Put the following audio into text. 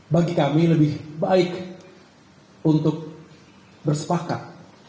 bagi kami lebih baik untuk bersepakat